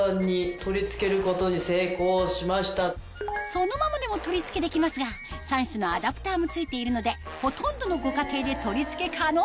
そのままでも取り付けできますが３種のアダプターも付いているのでほとんどのご家庭で取り付け可能！